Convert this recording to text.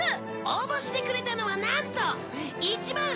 応募してくれたのはなんと１万８７０１人！